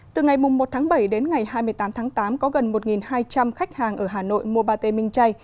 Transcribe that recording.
từ ngày một tháng bảy đến ngày hai mươi tám tháng tám có gần một hai trăm linh khách hàng ở hà nội mua bà tê minh chay